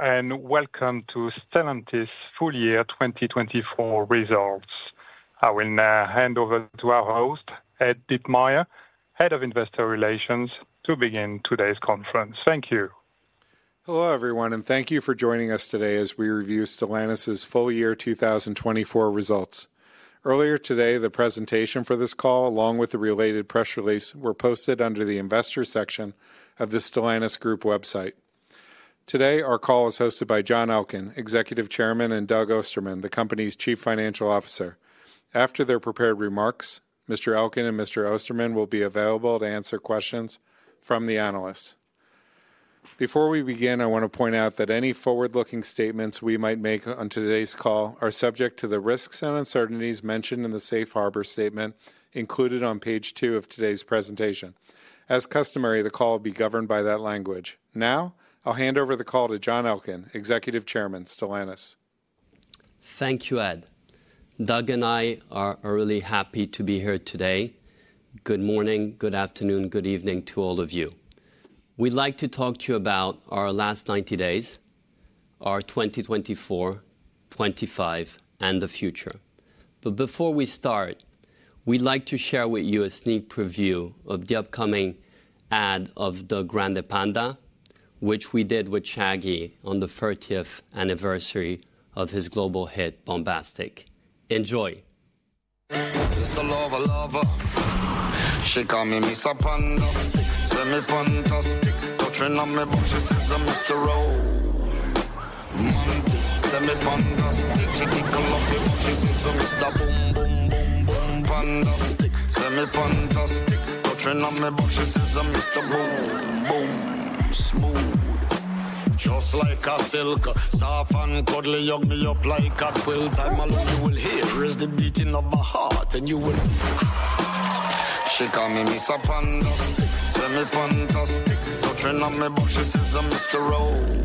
Hello, and welcome to Stellantis' full year 2024 results. I will now hand over to our host, Ed Ditmire, Head of Investor Relations, to begin today's conference. Thank you. Hello everyone, and thank you for joining us today as we review Stellantis' full year 2024 results. Earlier today, the presentation for this call, along with the related press release, were posted under the Investor section of the Stellantis Group website. Today, our call is hosted by John Elkann, Executive Chairman, and Doug Ostermann, the company's Chief Financial Officer. After their prepared remarks, Mr. Elkann and Mr. Ostermann will be available to answer questions from the analysts. Before we begin, I want to point out that any forward-looking statements we might make on today's call are subject to the risks and uncertainties mentioned in the Safe Harbor Statement included on page two of today's presentation. As customary, the call will be governed by that language. Now, I'll hand over the call to John Elkann, Executive Chairman, Stellantis. Thank you, Ed. Doug and I are really happy to be here today. Good morning, good afternoon, good evening to all of you. We'd like to talk to you about our last 90 days, our 2024, 2025, and the future. But before we start, we'd like to share with you a sneak preview of the upcoming ad of the Grande Panda, which we did with Shaggy on the 30th anniversary of his global hit Boombastic. Enjoy. She's a lover, lover. She call me Mr. Pandastic. Semi-fantastic. Don't treat nothing but she says I'm Mr. Oh me. Oh my. Semi-fantastic. She keep calling me but she says I'm Mr. Boom, boom, boom, boom. Pandastic. Semi-fantastic. Don't treat nothing but she says I'm Mr. Boom, boom, smooth. Just like a silk saffron cordially yogurt me up like a quail. Time along you will hear is the beating of my heart and you will. She call me Mr. Pandastic. Semi-fantastic. Don't treat nothing but she says I'm Mr. Oh me.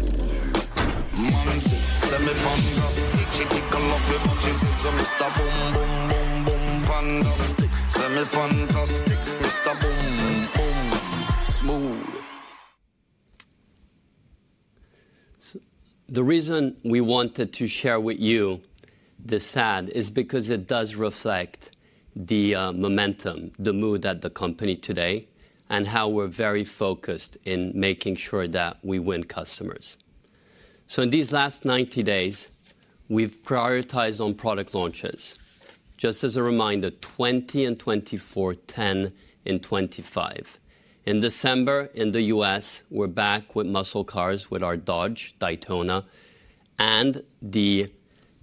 Oh my. Semi-fantastic. She keep calling me but she says I'm Mr. Boom, boom, boom, boom. Pandastic. Semi-fantastic. Mr. Boom, boom, smooth. The reason we wanted to share with you this ad is because it does reflect the momentum, the mood at the company today, and how we're very focused in making sure that we win customers. So in these last 90 days, we've prioritized on product launches. Just as a reminder, 2024 and 2025. In December, in the U.S., we're back with muscle cars with our Dodge Daytona, and the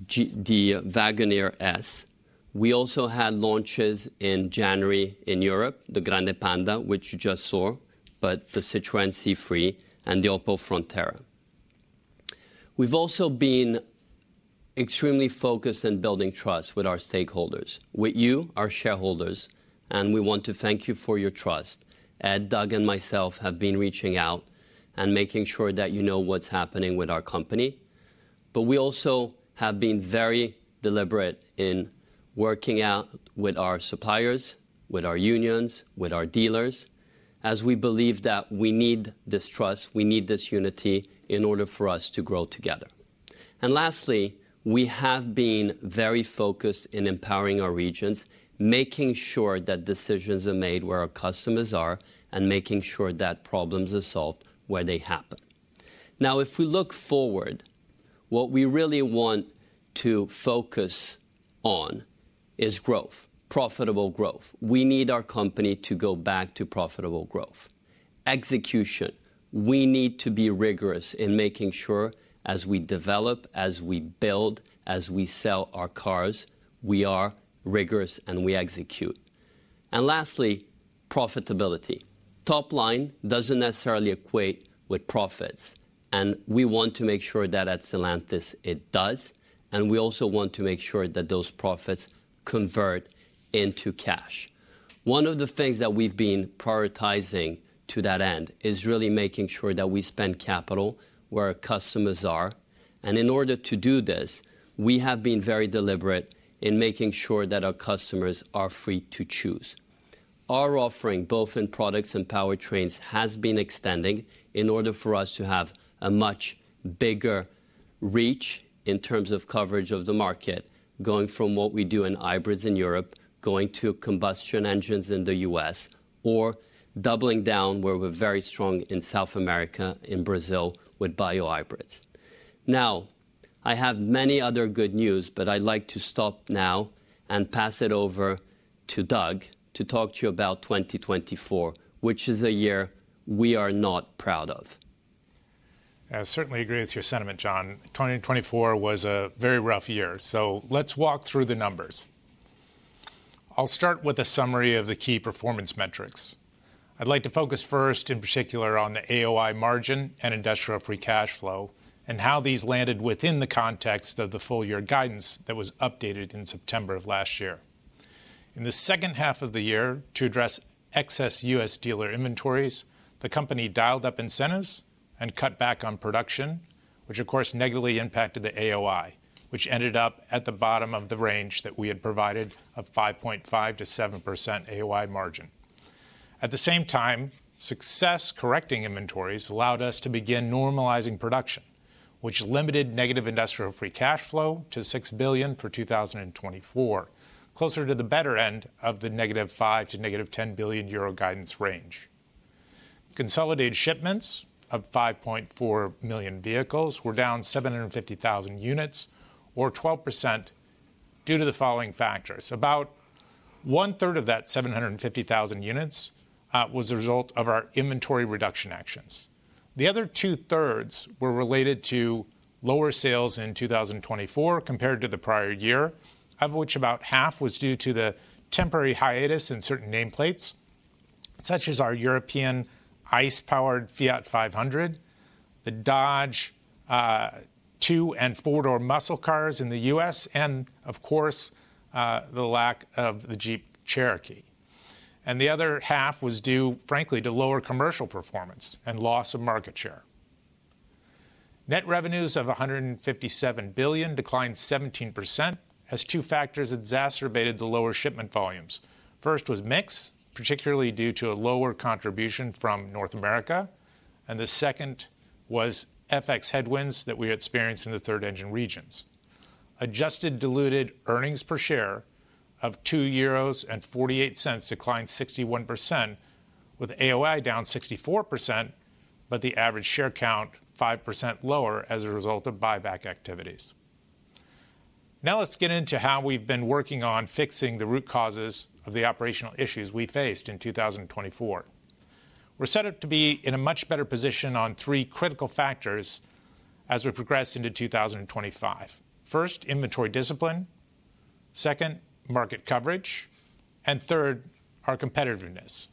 Wagoneer S. We also had launches in January in Europe, the Grande Panda, which you just saw, but the Citroën C3 and the Opel Frontera. We've also been extremely focused on building trust with our stakeholders, with you, our shareholders, and we want to thank you for your trust. Ed, Doug, and myself have been reaching out and making sure that you know what's happening with our company. But we also have been very deliberate in working out with our suppliers, with our unions, with our dealers, as we believe that we need this trust, we need this unity in order for us to grow together. And lastly, we have been very focused in empowering our regions, making sure that decisions are made where our customers are and making sure that problems are solved where they happen. Now, if we look forward, what we really want to focus on is growth, profitable growth. We need our company to go back to profitable growth. Execution. We need to be rigorous in making sure as we develop, as we build, as we sell our cars, we are rigorous and we execute. And lastly, profitability. Top line doesn't necessarily equate with profits, and we want to make sure that at Stellantis it does, and we also want to make sure that those profits convert into cash. One of the things that we've been prioritizing to that end is really making sure that we spend capital where our customers are. In order to do this, we have been very deliberate in making sure that our customers are free to choose. Our offering, both in products and powertrains, has been extending in order for us to have a much bigger reach in terms of coverage of the market, going from what we do in hybrids in Europe, going to combustion engines in the U.S., or doubling down where we're very strong in South America, in Brazil, with Bio-Hybrids. Now, I have many other good news, but I'd like to stop now and pass it over to Doug to talk to you about 2024, which is a year we are not proud of. I certainly agree with your sentiment, John. 2024 was a very rough year. So let's walk through the numbers. I'll start with a summary of the key performance metrics. I'd like to focus first in particular on the AOI margin and industrial free cash flow and how these landed within the context of the full year guidance that was updated in September of last year. In the second half of the year, to address excess U.S. dealer inventories, the company dialed up incentives and cut back on production, which of course negatively impacted the AOI, which ended up at the bottom of the range that we had provided of 5.5%-7% AOI margin. At the same time, success correcting inventories allowed us to begin normalizing production, which limited negative industrial free cash flow to 6 billion for 2024, closer to the better end of -5 billion to -10 billion euro guidance range. Consolidated shipments of 5.4 million vehicles were down 750,000 units, or 12%, due to the following factors. About one third of that 750,000 units was the result of our inventory reduction actions. The other two thirds were related to lower sales in 2024 compared to the prior year, of which about half was due to the temporary hiatus in certain nameplates, such as our European ICE-powered Fiat 500, the Dodge two and four-door muscle cars in the U.S., and of course, the lack of the Jeep Cherokee. And the other half was due, frankly, to lower commercial performance and loss of market share. Net revenues of EUR 157 billion declined 17% as two factors exacerbated the lower shipment volumes. First was mix, particularly due to a lower contribution from North America, and the second was FX headwinds that we experienced in the three engine regions. Adjusted diluted earnings per share of 2.48 euros declined 61%, with AOI down 64%, but the average share count 5% lower as a result of buyback activities. Now let's get into how we've been working on fixing the root causes of the operational issues we faced in 2024. We're set up to be in a much better position on three critical factors as we progress into 2025. First, inventory discipline. Second, market coverage. And third, our competitiveness.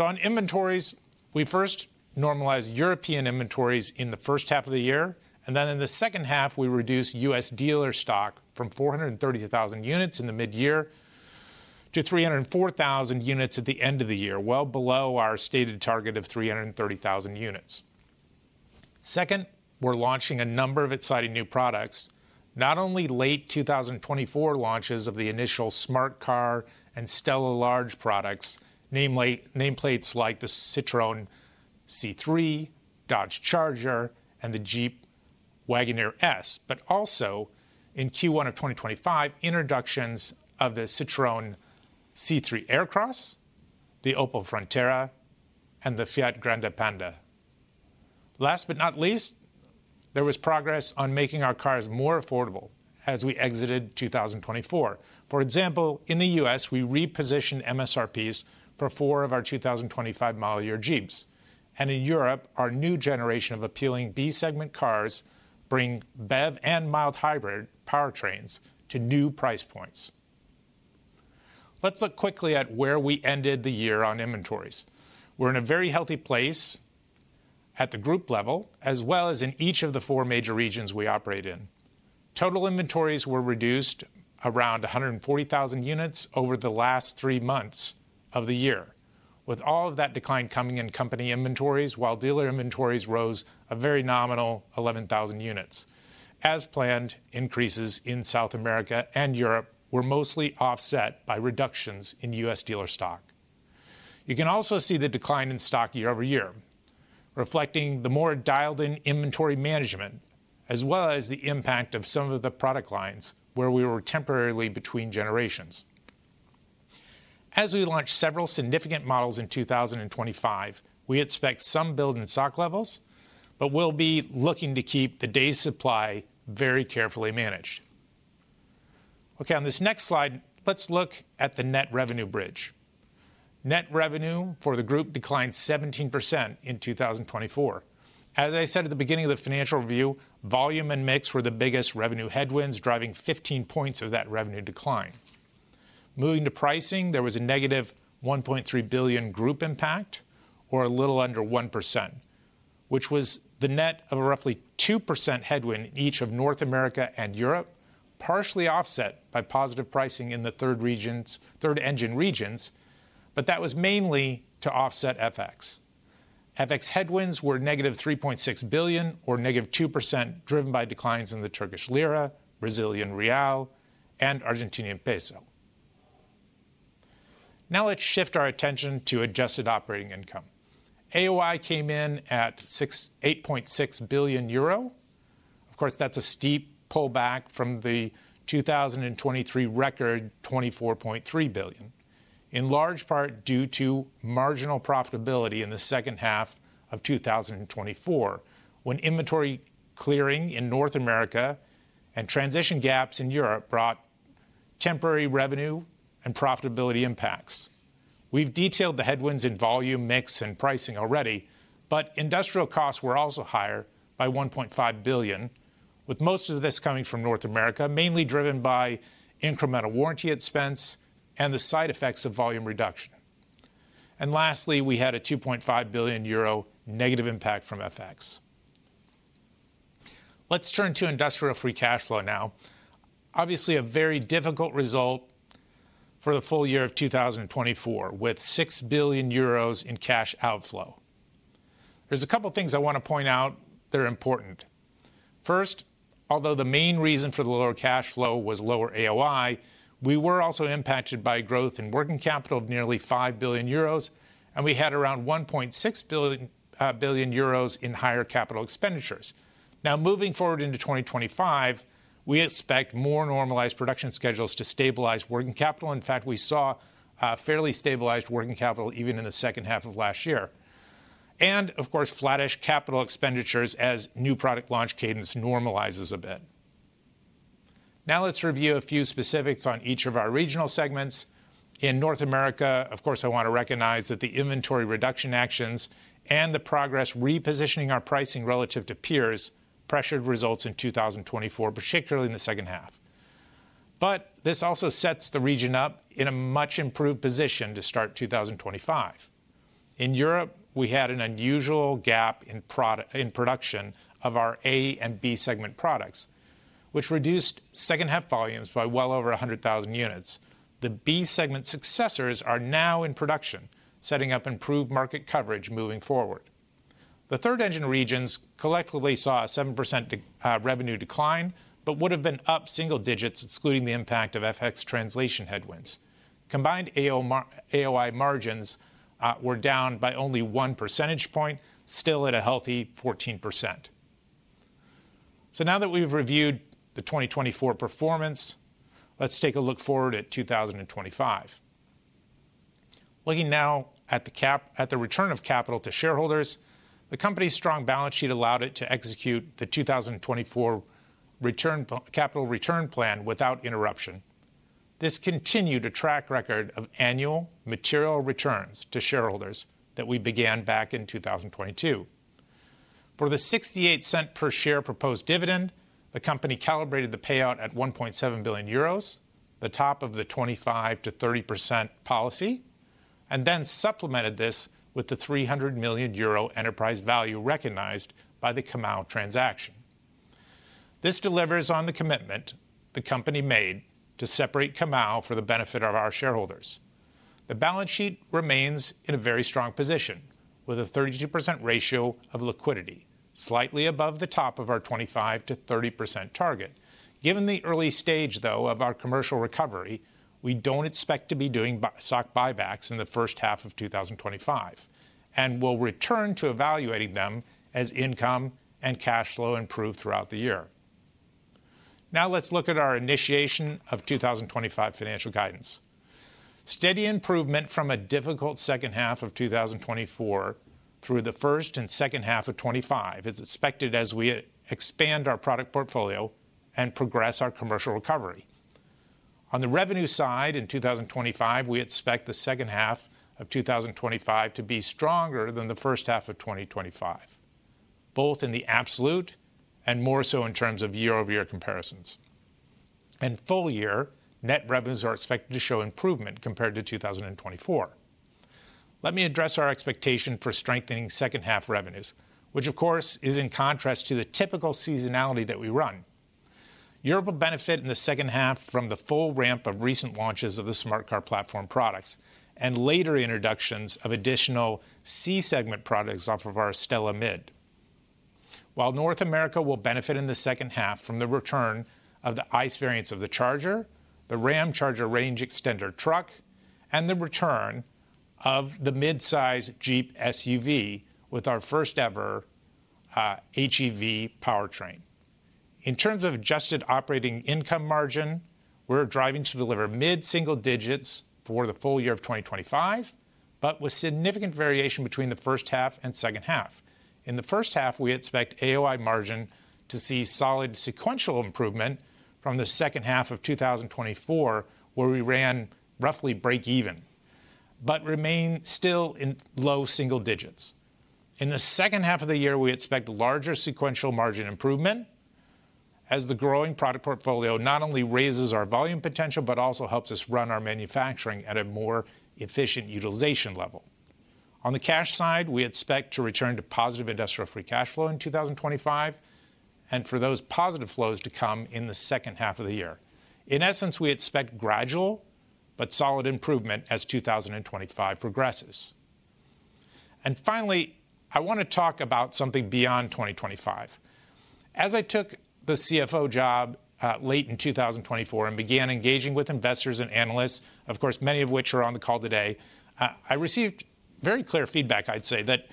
On inventories, we first normalized European inventories in the first half of the year, and then in the second half, we reduced U.S. dealer stock from 430,000 units in the mid-year to 304,000 units at the end of the year, well below our stated target of 330,000 units. Second, we're launching a number of exciting new products, not only late 2024 launches of the initial smart car and STLA Large products, namely nameplates like the Citroën C3, Dodge Charger, and the Jeep Wagoneer S, but also in Q1 of 2025, introductions of the Citroën C3 Aircross, the Opel Frontera, and the Fiat Grande Panda. Last but not least, there was progress on making our cars more affordable as we exited 2024. For example, in the U.S., we repositioned MSRPs for four of our 2025 model year Jeeps. And in Europe, our new generation of appealing B-segment cars bring BEV and mild hybrid powertrains to new price points. Let's look quickly at where we ended the year on inventories. We're in a very healthy place at the group level, as well as in each of the four major regions we operate in. Total inventories were reduced around 140,000 units over the last three months of the year, with all of that decline coming in company inventories, while dealer inventories rose a very nominal 11,000 units. As planned, increases in South America and Europe were mostly offset by reductions in U.S. dealer stock. You can also see the decline in stock year-over-year, reflecting the more dialed-in inventory management, as well as the impact of some of the product lines where we were temporarily between generations. As we launch several significant models in 2025, we expect some build-in stock levels, but we'll be looking to keep the day's supply very carefully managed. Okay, on this next slide, let's look at the net revenue bridge. Net revenue for the group declined 17% in 2024. As I said at the beginning of the financial review, volume and mix were the biggest revenue headwinds, driving 15 points of that revenue decline. Moving to pricing, there was a -1.3 billion group impact, or a little under 1%, which was the net of a roughly 2% headwind in each of North America and Europe, partially offset by positive pricing in the third engine regions, but that was mainly to offset FX. FX headwinds were -3.6 billion, or -2%, driven by declines in the Turkish lira, Brazilian real, and Argentinian peso. Now let's shift our attention to adjusted operating income. AOI came in at 8.6 billion euro. Of course, that's a steep pullback from the 2023 record 24.3 billion, in large part due to marginal profitability in the second half of 2024, when inventory clearing in North America and transition gaps in Europe brought temporary revenue and profitability impacts. We've detailed the headwinds in volume, mix, and pricing already, but industrial costs were also higher by 1.5 billion, with most of this coming from North America, mainly driven by incremental warranty expense and the side effects of volume reduction. And lastly, we had a 2.5 billion euro negative impact from FX. Let's turn to industrial free cash flow now. Obviously, a very difficult result for the full year of 2024, with 6 billion euros in cash outflow. There's a couple of things I want to point out that are important. First, although the main reason for the lower cash flow was lower AOI, we were also impacted by growth in working capital of nearly 5 billion euros, and we had around 1.6 billion in higher capital expenditures. Now, moving forward into 2025, we expect more normalized production schedules to stabilize working capital. In fact, we saw fairly stabilized working capital even in the second half of last year, and of course, flattish capital expenditures as new product launch cadence normalizes a bit. Now let's review a few specifics on each of our regional segments. In North America, of course, I want to recognize that the inventory reduction actions and the progress repositioning our pricing relative to peers pressured results in 2024, particularly in the second half, but this also sets the region up in a much improved position to start 2025. In Europe, we had an unusual gap in production of our A and B-segment products, which reduced second-half volumes by well over 100,000 units. The B-segment successors are now in production, setting up improved market coverage moving forward. The third engine regions collectively saw a 7% revenue decline, but would have been up single digits, excluding the impact of FX translation headwinds. Combined AOI margins were down by only one percentage point, still at a healthy 14%. So now that we've reviewed the 2024 performance, let's take a look forward at 2025. Looking now at the return of capital to shareholders, the company's strong balance sheet allowed it to execute the 2024 capital return plan without interruption. This continued a track record of annual material returns to shareholders that we began back in 2022. For the 0.68 per share proposed dividend, the company calibrated the payout at EUR 1.7 billion, the top of the 25%-30% policy, and then supplemented this with the 300 million euro enterprise value recognized by the Comau transaction. This delivers on the commitment the company made to separate Comau for the benefit of our shareholders. The balance sheet remains in a very strong position, with a 32% ratio of liquidity, slightly above the top of our 25%-30% target. Given the early stage, though, of our commercial recovery, we don't expect to be doing stock buybacks in the first half of 2025, and we'll return to evaluating them as income and cash flow improve throughout the year. Now let's look at our initiation of 2025 financial guidance. Steady improvement from a difficult second half of 2024 through the first and second half of 2025 is expected as we expand our product portfolio and progress our commercial recovery. On the revenue side, in 2025, we expect the second half of 2025 to be stronger than the first half of 2025, both in the absolute and more so in terms of year-over-year comparisons. In full year, net revenues are expected to show improvement compared to 2024. Let me address our expectation for strengthening second half revenues, which of course is in contrast to the typical seasonality that we run. Europe will benefit in the second half from the full ramp of recent launches of the Smart Car platform products and later introductions of additional C-segment products off of our STLA Medium. While North America will benefit in the second half from the return of the ICE variants of the Charger, the Ramcharger range extender truck, and the return of the mid-size Jeep SUV with our first-ever HEV powertrain. In terms of adjusted operating income margin, we're driving to deliver mid-single digits for the full year of 2025, but with significant variation between the first half and second half. In the first half, we expect AOI margin to see solid sequential improvement from the second half of 2024, where we ran roughly break even, but remain still in low single digits. In the second half of the year, we expect larger sequential margin improvement as the growing product portfolio not only raises our volume potential, but also helps us run our manufacturing at a more efficient utilization level. On the cash side, we expect to return to positive industrial free cash flow in 2025, and for those positive flows to come in the second half of the year. In essence, we expect gradual but solid improvement as 2025 progresses. Finally, I want to talk about something beyond 2025. As I took the CFO job late in 2024 and began engaging with investors and analysts, of course, many of which are on the call today, I received very clear feedback, I'd say, that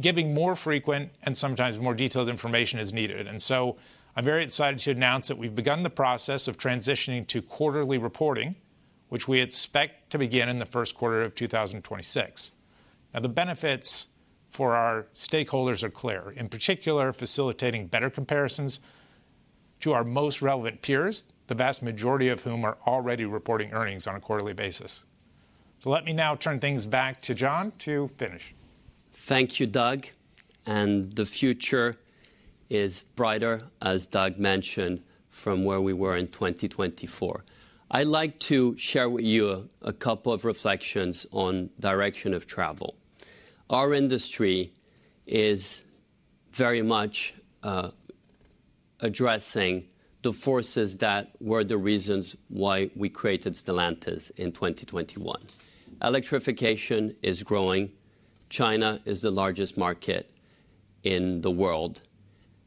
giving more frequent and sometimes more detailed information is needed. So I'm very excited to announce that we've begun the process of transitioning to quarterly reporting, which we expect to begin in the first quarter of 2026. Now, the benefits for our stakeholders are clear, in particular facilitating better comparisons to our most relevant peers, the vast majority of whom are already reporting earnings on a quarterly basis. So let me now turn things back to John to finish. Thank you, Doug. And the future is brighter, as Doug mentioned, from where we were in 2024. I'd like to share with you a couple of reflections on direction of travel. Our industry is very much addressing the forces that were the reasons why we created Stellantis in 2021. Electrification is growing. China is the largest market in the world,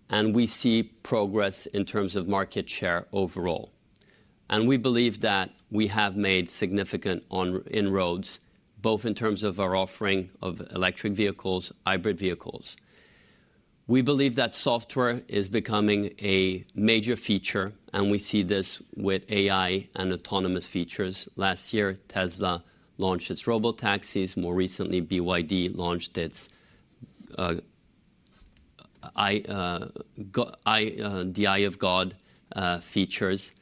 and we see progress in terms of market share overall. And we believe that we have made significant inroads, both in terms of our offering of electric vehicles, hybrid vehicles. We believe that software is becoming a major feature, and we see this with AI and autonomous features. Last year, Tesla launched its robotaxis. More recently, BYD launched its Eye of God features.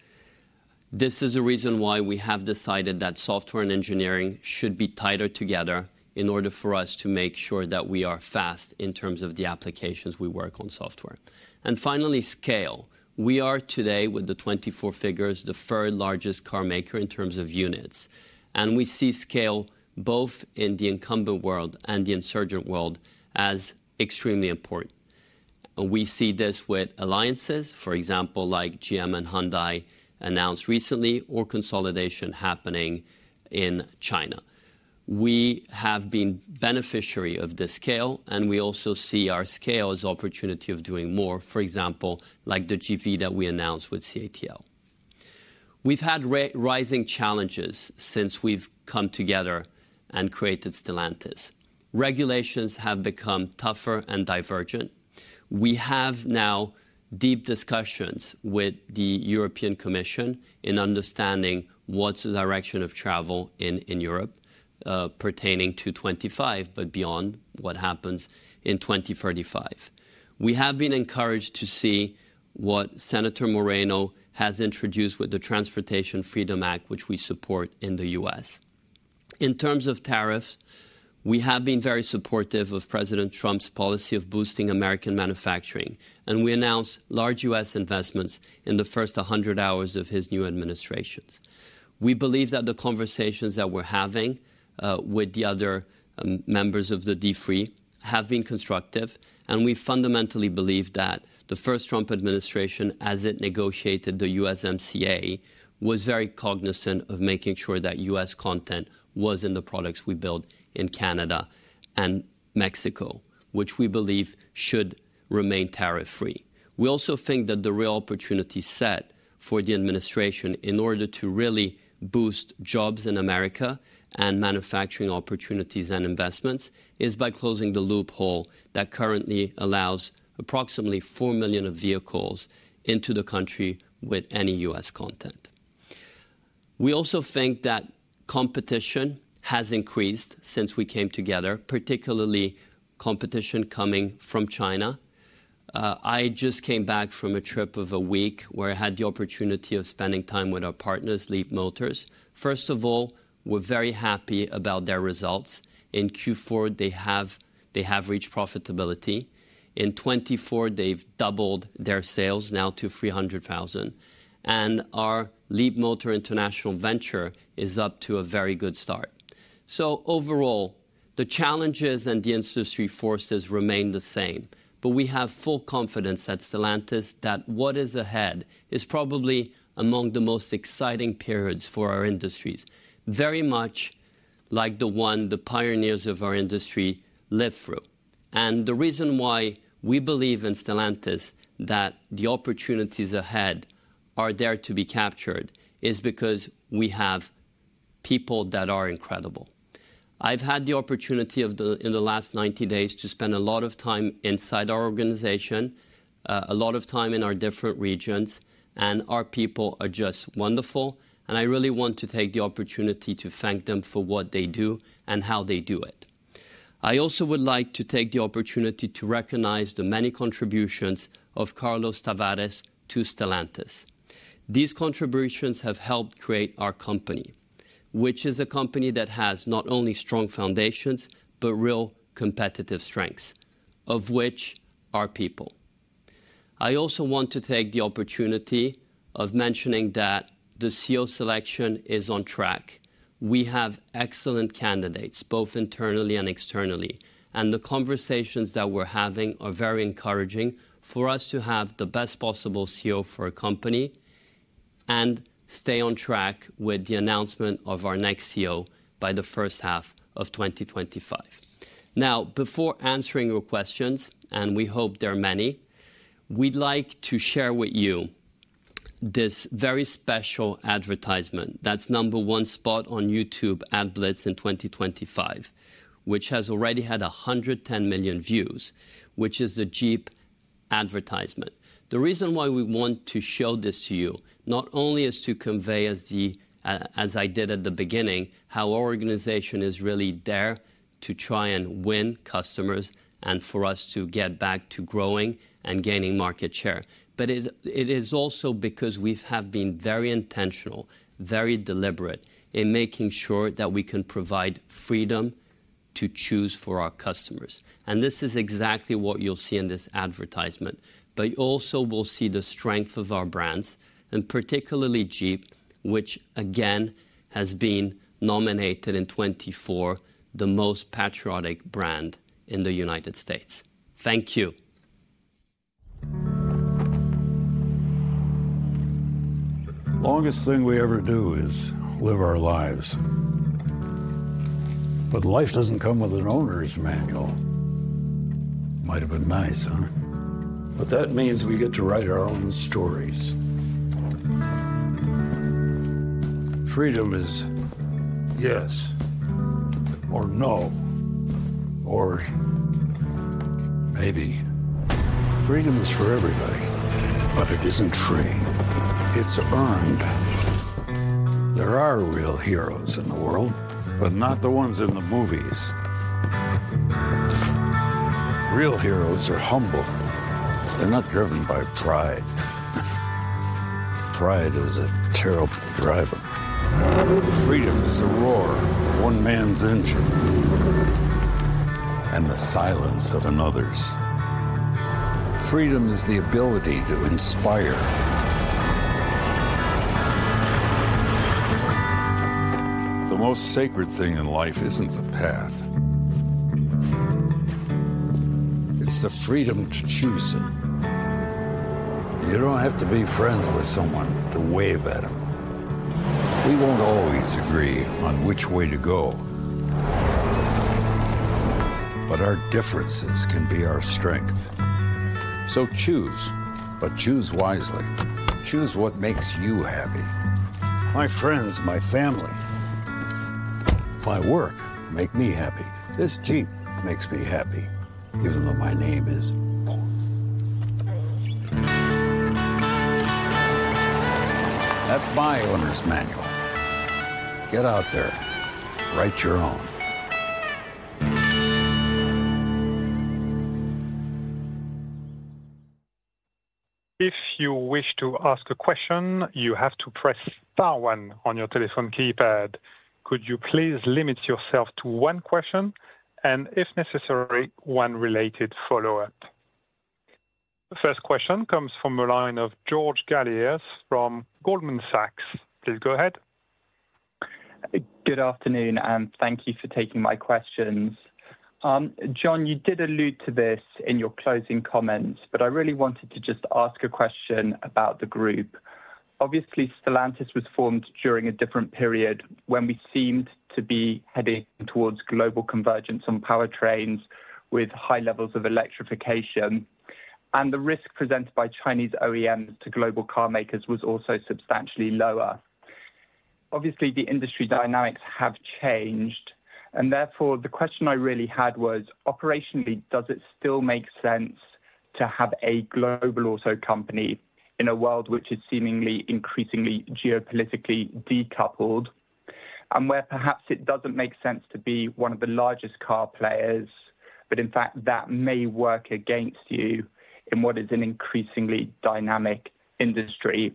This is a reason why we have decided that software and engineering should be tighter together in order for us to make sure that we are fast in terms of the applications we work on software. And finally, scale. We are today, with the 24 figures, the third largest car maker in terms of units. We see scale, both in the incumbent world and the insurgent world, as extremely important. We see this with alliances, for example, like GM and Hyundai announced recently, or consolidation happening in China. We have been beneficiary of this scale, and we also see our scale as an opportunity of doing more, for example, like the JV that we announced with CATL. We have had rising challenges since we have come together and created Stellantis. Regulations have become tougher and divergent. We have now deep discussions with the European Commission in understanding what's the direction of travel in Europe, pertaining to 2025, but beyond what happens in 2035. We have been encouraged to see what Senator Moreno has introduced with the Transportation Freedom Act, which we support in the U.S. In terms of tariffs, we have been very supportive of President Trump's policy of boosting American manufacturing, and we announced large U.S. investments in the first 100 hours of his new administrations. We believe that the conversations that we're having with the other members of the D3 have been constructive, and we fundamentally believe that the first Trump administration, as it negotiated the USMCA, was very cognizant of making sure that U.S. content was in the products we build in Canada and Mexico, which we believe should remain tariff-free. We also think that the real opportunity set for the administration in order to really boost jobs in America and manufacturing opportunities and investments is by closing the loophole that currently allows approximately four million vehicles into the country with any U.S. content. We also think that competition has increased since we came together, particularly competition coming from China. I just came back from a trip of a week where I had the opportunity of spending time with our partners, Leapmotor. First of all, we're very happy about their results. In Q4, they have reached profitability. In Q24, they've doubled their sales now to 300,000. And our Leapmotor International venture is up to a very good start. Overall, the challenges and the industry forces remain the same, but we have full confidence at Stellantis that what is ahead is probably among the most exciting periods for our industries, very much like the one the pioneers of our industry lived through. The reason why we believe in Stellantis that the opportunities ahead are there to be captured is because we have people that are incredible. I've had the opportunity in the last 90 days to spend a lot of time inside our organization, a lot of time in our different regions, and our people are just wonderful. I really want to take the opportunity to thank them for what they do and how they do it. I also would like to take the opportunity to recognize the many contributions of Carlos Tavares to Stellantis. These contributions have helped create our company, which is a company that has not only strong foundations, but real competitive strengths, of which are people. I also want to take the opportunity of mentioning that the CEO selection is on track. We have excellent candidates, both internally and externally, and the conversations that we're having are very encouraging for us to have the best possible CEO for a company and stay on track with the announcement of our next CEO by the first half of 2025. Now, before answering your questions, and we hope there are many, we'd like to share with you this very special advertisement that's number one spot on YouTube AdBlitz in 2025, which has already had 110 million views, which is the Jeep advertisement. The reason why we want to show this to you not only is to convey, as I did at the beginning, how our organization is really there to try and win customers and for us to get back to growing and gaining market share, but it is also because we have been very intentional, very deliberate in making sure that we can provide freedom to choose for our customers. And this is exactly what you'll see in this advertisement, but you also will see the strength of our brands, and particularly Jeep, which again has been nominated in 2024 the most patriotic brand in the United States. Thank you. Longest thing we ever do is live our lives. But life doesn't come with an owner's manual. Might have been nice, huh? But that means we get to write our own stories. Freedom is yes or no or maybe. Freedom is for everybody, but it isn't free. It's earned. There are real heroes in the world, but not the ones in the movies. Real heroes are humble. They're not driven by pride. Pride is a terrible driver. Freedom is the roar of one man's engine and the silence of another's. Freedom is the ability to inspire. The most sacred thing in life isn't the path. It's the freedom to choose it. You don't have to be friends with someone to wave at them. We won't always agree on which way to go, but our differences can be our strength. So choose, but choose wisely. Choose what makes you happy. My friends, my family, my work make me happy. This Jeep makes me happy, even though my name is... That's my owner's manual. Get out there, write your own. If you wish to ask a question, you have to press star one on your telephone keypad. Could you please limit yourself to one question and, if necessary, one related follow-up? The first question comes from the line of George Galliers from Goldman Sachs. Please go ahead. Good afternoon, and thank you for taking my questions. John, you did allude to this in your closing comments, but I really wanted to just ask a question about the group. Obviously, Stellantis was formed during a different period when we seemed to be heading towards global convergence on powertrains with high levels of electrification, and the risk presented by Chinese OEMs to global car makers was also substantially lower. Obviously, the industry dynamics have changed, and therefore the question I really had was, operationally, does it still make sense to have a global auto company in a world which is seemingly increasingly geopolitically decoupled, and where perhaps it doesn't make sense to be one of the largest car players, but in fact, that may work against you in what is an increasingly dynamic industry?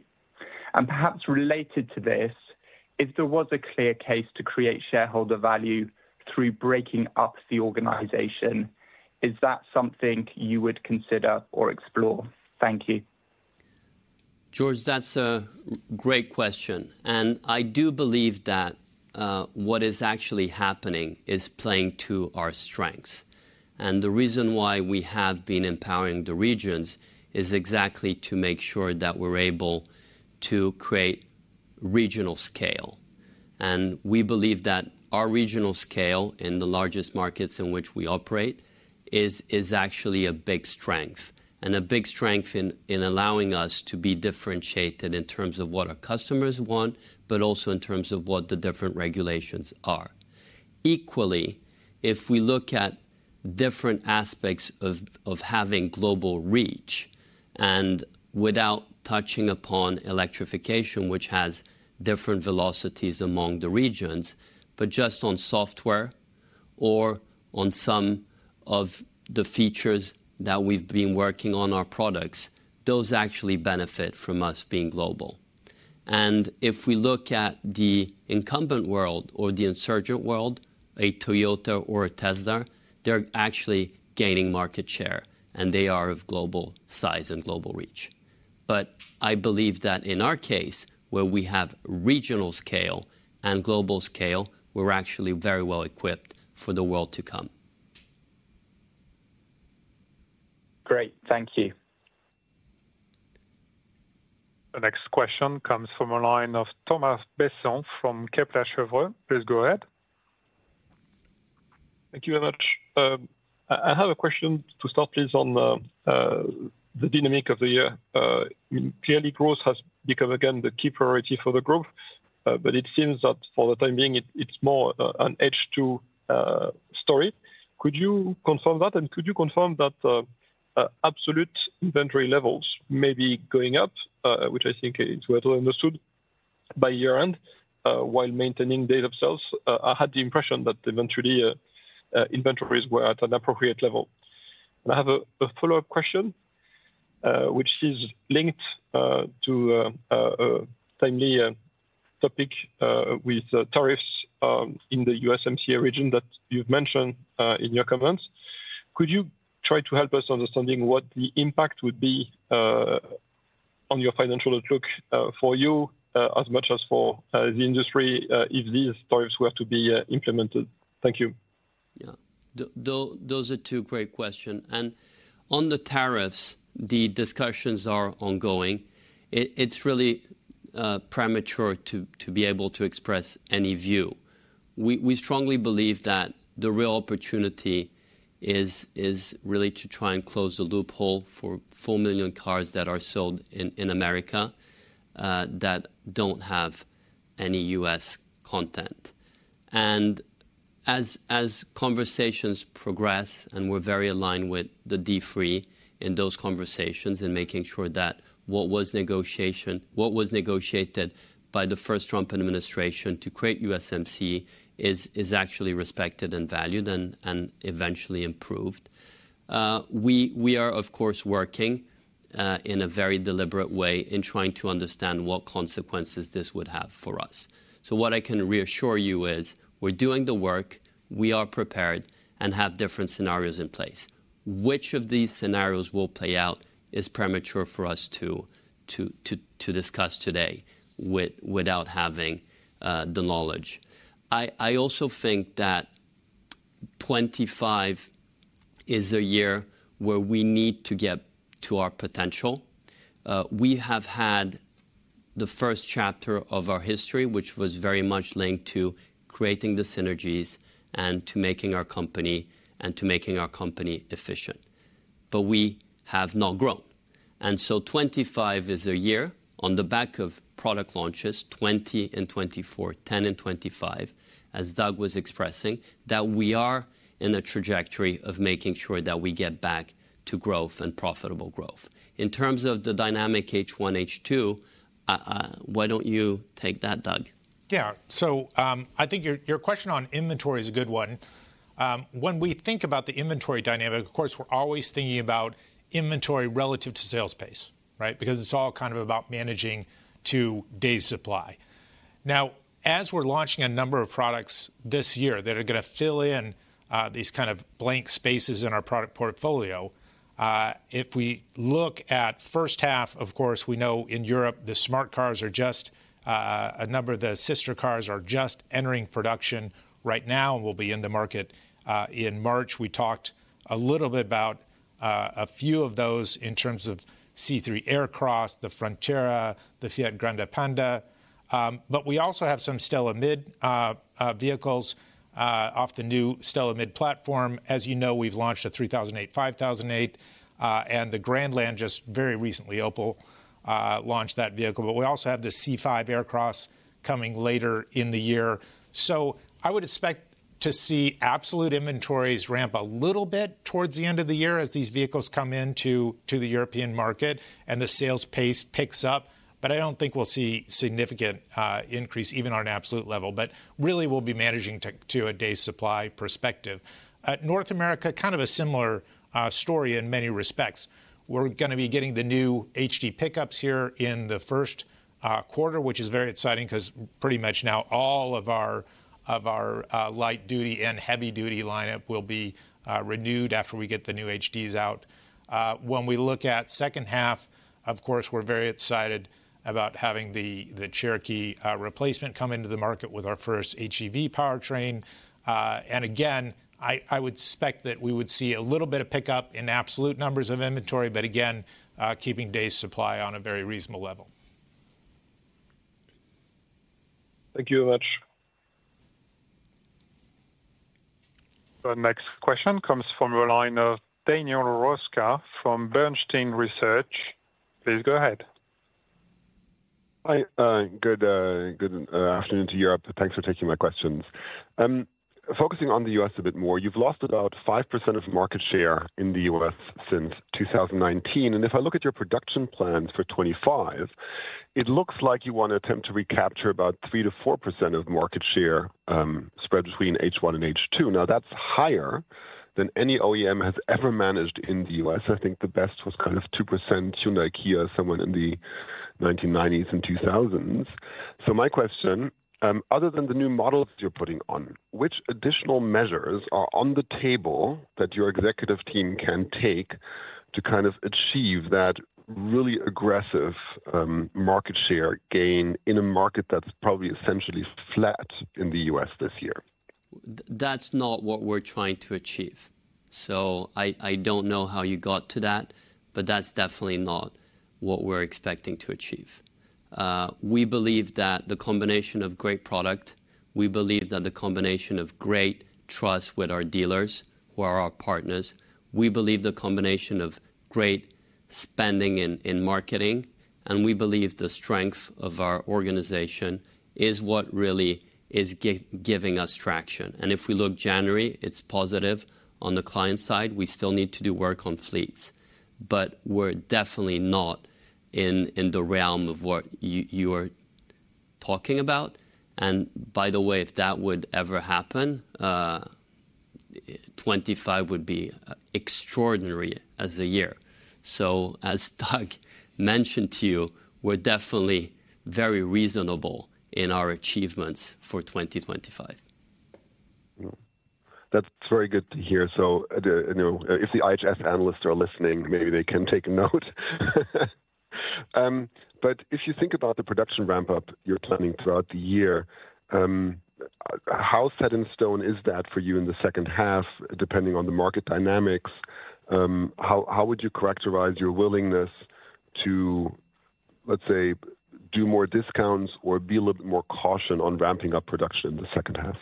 And perhaps related to this, if there was a clear case to create shareholder value through breaking up the organization, is that something you would consider or explore? Thank you. George, that's a great question. And I do believe that what is actually happening is playing to our strengths. And the reason why we have been empowering the regions is exactly to make sure that we're able to create regional scale. We believe that our regional scale in the largest markets in which we operate is actually a big strength, and a big strength in allowing us to be differentiated in terms of what our customers want, but also in terms of what the different regulations are. Equally, if we look at different aspects of having global reach and without touching upon electrification, which has different velocities among the regions, but just on software or on some of the features that we've been working on our products, those actually benefit from us being global. If we look at the incumbent world or the insurgent world, a Toyota or a Tesla, they're actually gaining market share, and they are of global size and global reach. I believe that in our case, where we have regional scale and global scale, we're actually very well equipped for the world to come. Great. Thank you. The next question comes from a line of Thomas Besson from Kepler Cheuvreux. Please go ahead. Thank you very much. I have a question to start, please, on the dynamic of the year. Clearly, growth has become again the key priority for the group, but it seems that for the time being, it's more an edge-to-story. Could you confirm that? And could you confirm that absolute inventory levels may be going up, which I think is well understood by year-end while maintaining dealer sales? I had the impression that eventually inventories were at an appropriate level. And I have a follow-up question, which is linked to a timely topic with tariffs in the USMCA region that you've mentioned in your comments. Could you try to help us understanding what the impact would be on your financial outlook for you as much as for the industry if these tariffs were to be implemented? Thank you. Yeah, those are two great questions and on the tariffs, the discussions are ongoing. It's really premature to be able to express any view. We strongly believe that the real opportunity is really to try and close the loophole for four million cars that are sold in America that don't have any U.S. content. And as conversations progress, and we're very aligned with the D3 in those conversations and making sure that what was negotiated by the first Trump administration to create USMCA is actually respected and valued and eventually improved. We are, of course, working in a very deliberate way in trying to understand what consequences this would have for us. So what I can reassure you is we're doing the work, we are prepared, and have different scenarios in place. Which of these scenarios will play out is premature for us to discuss today without having the knowledge. I also think that 2025 is a year where we need to get to our potential. We have had the first chapter of our history, which was very much linked to creating the synergies and to making our company and to making our company efficient, but we have not grown, and so 2025 is a year on the back of product launches, 2020 and 2024, 2010 and 2025, as Doug was expressing, that we are in a trajectory of making sure that we get back to growth and profitable growth. In terms of the dynamic H1, H2, why don't you take that, Doug? Yeah. I think your question on inventory is a good one. When we think about the inventory dynamic, of course, we're always thinking about inventory relative to sales base, right? Because it's all kind of about managing to day's supply. Now, as we're launching a number of products this year that are going to fill in these kind of blank spaces in our product portfolio, if we look at first half, of course, we know in Europe, the Smart Cars, a number of the Citroën cars, are just entering production right now and will be in the market in March. We talked a little bit about a few of those in terms of C3 Aircross, the Frontera, the Fiat Grande Panda. But we also have some STLA Med vehicles off the new STLA Med platform. As you know, we've launched a 3008, 5008, and the Grandland just very recently. Opel launched that vehicle. But we also have the C5 Aircross coming later in the year. So I would expect to see absolute inventories ramp a little bit towards the end of the year as these vehicles come into the European market and the sales pace picks up. But I don't think we'll see significant increase even on an absolute level, but really we'll be managing to a day's supply perspective. North America, kind of a similar story in many respects. We're going to be getting the new HD pickups here in the first quarter, which is very exciting because pretty much now all of our light duty and heavy duty lineup will be renewed after we get the new HDs out. When we look at second half, of course, we're very excited about having the Cherokee replacement come into the market with our first HEV powertrain. And again, I would expect that we would see a little bit of pickup in absolute numbers of inventory, but again, keeping day's supply on a very reasonable level. Thank you very much. The next question comes from a line of Daniel Roeska from Bernstein Research. Please go ahead. Hi. Good afternoon to you, Arnaud. Thanks for taking my questions. Focusing on the U.S. a bit more, you've lost about 5% of market share in the U.S. since 2019. And if I look at your production plans for 2025, it looks like you want to attempt to recapture about 3%-4% of market share spread between H1 and H2. Now, that's higher than any OEM has ever managed in the U.S. I think the best was kind of 2% Hyundai, Kia, someone in the 1990s and 2000s. So my question, other than the new models you're putting on, which additional measures are on the table that your executive team can take to kind of achieve that really aggressive market share gain in a market that's probably essentially flat in the U.S. this year? That's not what we're trying to achieve. So I don't know how you got to that, but that's definitely not what we're expecting to achieve. We believe that the combination of great product, we believe that the combination of great trust with our dealers who are our partners, we believe the combination of great spending in marketing, and we believe the strength of our organization is what really is giving us traction. And if we look January, it's positive on the client side. We still need to do work on fleets, but we're definitely not in the realm of what you are talking about. And by the way, if that would ever happen, 2025 would be extraordinary as a year. So as Doug mentioned to you, we're definitely very reasonable in our achievements for 2025. That's very good to hear. So if the IHS analysts are listening, maybe they can take a note. But if you think about the production ramp-up you're planning throughout the year, how set in stone is that for you in the second half, depending on the market dynamics? How would you characterize your willingness to, let's say, do more discounts or be a little bit more caution on ramping up production in the second half?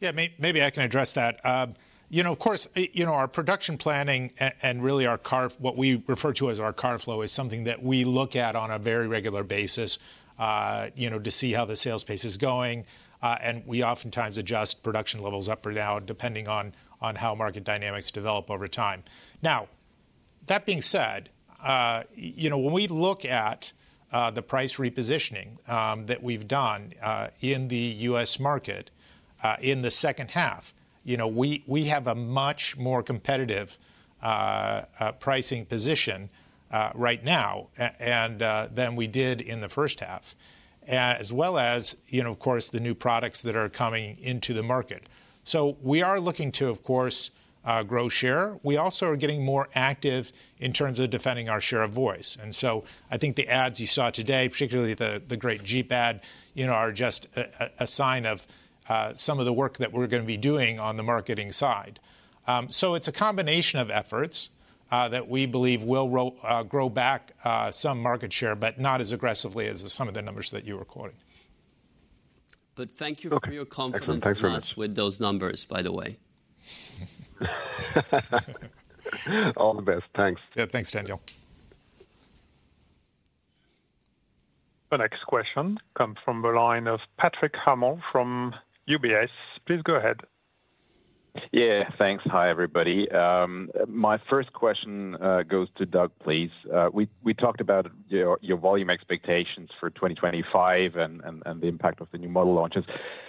Yeah, maybe I can address that. You know, of course, you know our production planning and really what we refer to as our car flow is something that we look at on a very regular basis to see how the sales pace is going, and we oftentimes adjust production levels up or down depending on how market dynamics develop over time. Now, that being said, you know when we look at the price repositioning that we've done in the U.S. market in the second half, you know we have a much more competitive pricing position right now than we did in the first half, as well as, you know of course, the new products that are coming into the market, so we are looking to, of course, grow share. We also are getting more active in terms of defending our share of voice. And so I think the ads you saw today, particularly the great Jeep ad, you know are just a sign of some of the work that we're going to be doing on the marketing side. So it's a combination of efforts that we believe will grow back some market share, but not as aggressively as some of the numbers that you were quoting. But thank you for your confidence in us with those numbers, by the way. All the best. Thanks. Yeah, thanks, Daniel. The next question comes from a line of Patrick Hummel from UBS. Please go ahead. Yeah, thanks. Hi, everybody. My first question goes to Doug, please. We talked about your volume expectations for 2025 and the impact of the new model launches.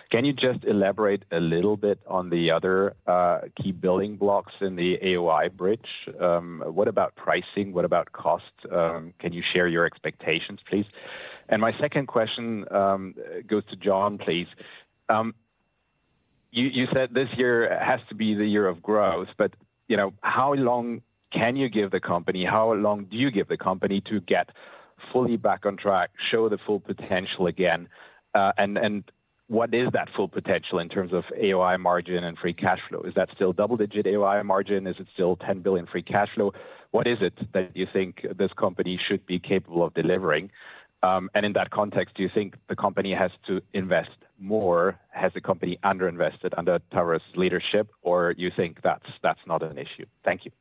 Can you just elaborate a little bit on the other key building blocks in the AOI bridge? What about pricing? What about cost? Can you share your expectations, please? And my second question goes to John, please. You said this year has to be the year of growth, but you know how long can you give the company? How long do you give the company to get fully back on track, show the full potential again? And what is that full potential in terms of AOI margin and free cash flow? Is that still double-digit AOI margin? Is it still 10 billion free cash flow? What is it that you think this company should be capable of delivering? And in that context, do you think the company has to invest more? Has the company underinvested under Tavares' leadership, or do you think that's not an issue? Thank you.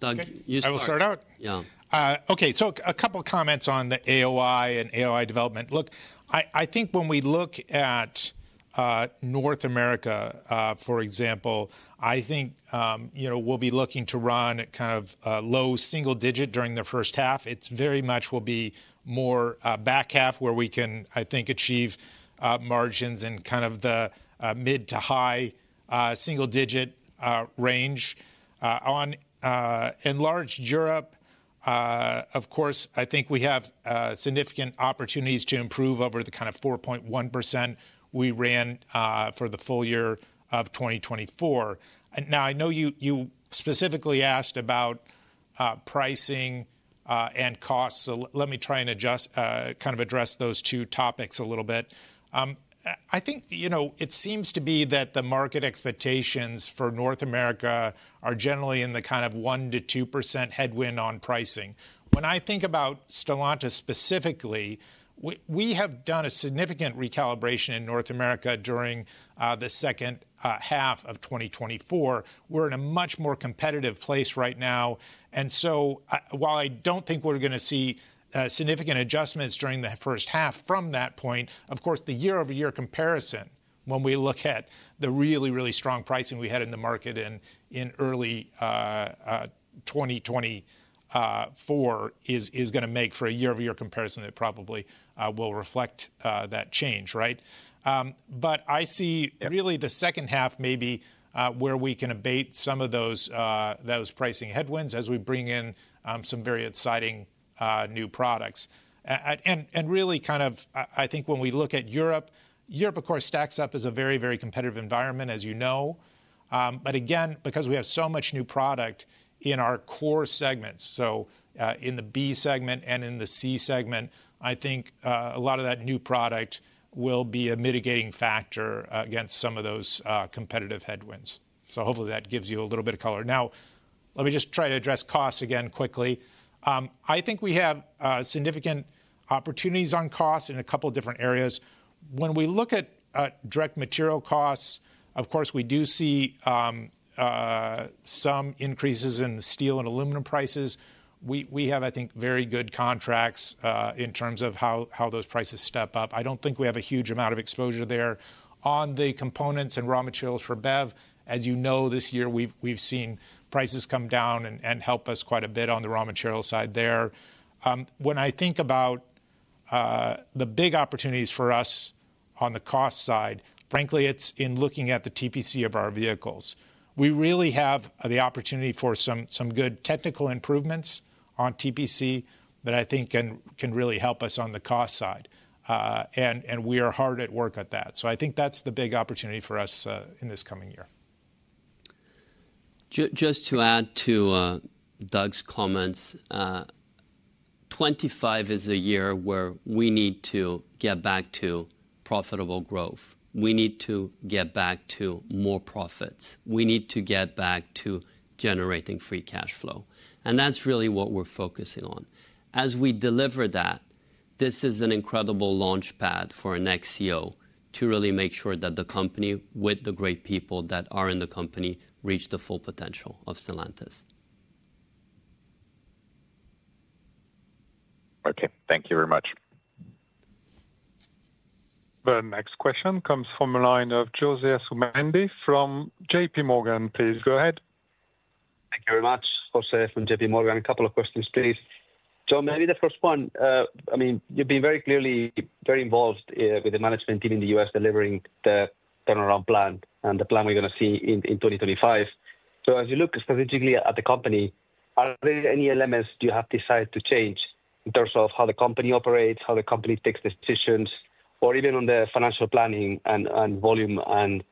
Doug, you start. I will start out. Yeah. Okay, so a couple of comments on the AOI and AOI development. Look, I think when we look at North America, for example, I think you know we'll be looking to run at kind of low single digit during the first half. It's very much will be more back half where we can, I think, achieve margins in kind of the mid- to high-single-digit range. On enlarged Europe, of course, I think we have significant opportunities to improve over the kind of 4.1% we ran for the full year of 2024, and now I know you specifically asked about pricing and costs. So let me try and kind of address those two topics a little bit. I think you know it seems to be that the market expectations for North America are generally in the kind of 1%-2% headwind on pricing. When I think about Stellantis specifically, we have done a significant recalibration in North America during the second half of 2024. We're in a much more competitive place right now. And so while I don't think we're going to see significant adjustments during the first half from that point, of course, the year-over-year comparison when we look at the really, really strong pricing we had in the market in early 2024 is going to make for a year-over-year comparison that probably will reflect that change, right? But I see really the second half maybe where we can abate some of those pricing headwinds as we bring in some very exciting new products. And really kind of I think when we look at Europe, Europe, of course, stacks up as a very, very competitive environment, as you know. But again, because we have so much new product in our core segments, so in the B-segment and in the C-segment, I think a lot of that new product will be a mitigating factor against some of those competitive headwinds. So hopefully that gives you a little bit of color. Now, let me just try to address costs again quickly. I think we have significant opportunities on costs in a couple of different areas. When we look at direct material costs, of course, we do see some increases in steel and aluminum prices. We have, I think, very good contracts in terms of how those prices step up. I don't think we have a huge amount of exposure there on the components and raw materials for BEV. As you know, this year we've seen prices come down and help us quite a bit on the raw material side there. When I think about the big opportunities for us on the cost side, frankly, it's in looking at the TPC of our vehicles. We really have the opportunity for some good technical improvements on TPC that I think can really help us on the cost side. And we are hard at work at that. So I think that's the big opportunity for us in this coming year. Just to add to Doug's comments, 2025 is a year where we need to get back to profitable growth. We need to get back to more profits. We need to get back to generating free cash flow. And that's really what we're focusing on. As we deliver that, this is an incredible launchpad for an ex-CEO to really make sure that the company with the great people that are in the company reach the full potential of Stellantis. Okay, thank you very much. The next question comes from a line of José Asumendi from JPMorgan. Please go ahead. Thank you very much, José from JPMorgan. A couple of questions, please. John, maybe the first one. I mean, you've been very clearly very involved with the management team in the U.S. delivering the turnaround plan and the plan we're going to see in 2025. So as you look strategically at the company, are there any elements you have decided to change in terms of how the company operates, how the company takes decisions, or even on the financial planning and volume and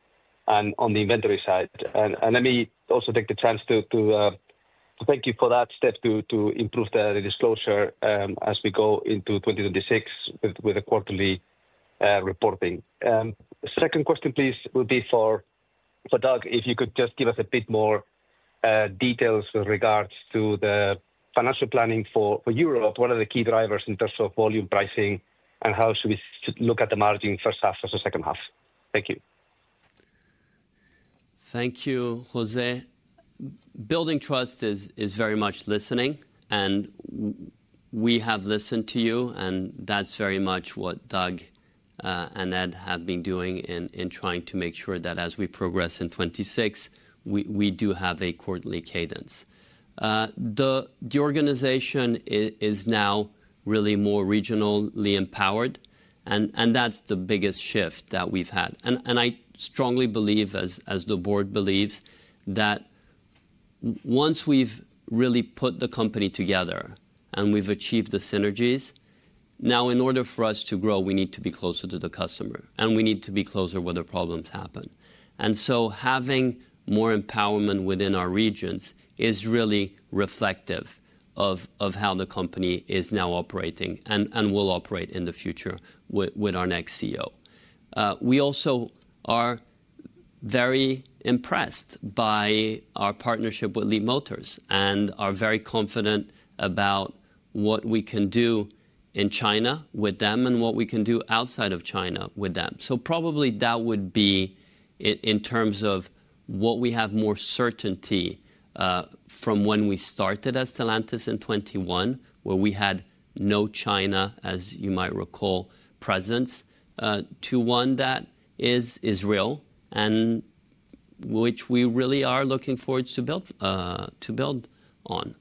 on the inventory side? Let me also take the chance to thank you for that step to improve the disclosure as we go into 2026 with the quarterly reporting. Second question, please, would be for Doug, if you could just give us a bit more details with regards to the financial planning for Europe. What are the key drivers in terms of volume pricing and how should we look at the margin first half versus second half? Thank you. Thank you, José. Building trust is very much listening, and we have listened to you, and that's very much what Doug and Ed have been doing in trying to make sure that as we progress in 2026, we do have a quarterly cadence. The organization is now really more regionally empowered, and that's the biggest shift that we've had. I strongly believe, as the board believes, that once we've really put the company together and we've achieved the synergies, now in order for us to grow, we need to be closer to the customer, and we need to be closer where the problems happen. And so having more empowerment within our regions is really reflective of how the company is now operating and will operate in the future with our next CEO. We also are very impressed by our partnership with Leapmotor and are very confident about what we can do in China with them and what we can do outside of China with them. So, probably that would be in terms of what we have more certainty from when we started as Stellantis in 2021, where we had no China presence, as you might recall, to one that is sizable, and which we really are looking forward to build on.